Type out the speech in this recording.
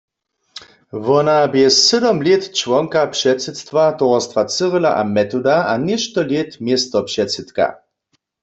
Wona bě sydom lět čłonka předsydstwa Towarstwa Cyrila a Metoda a něšto lět městopředsydka.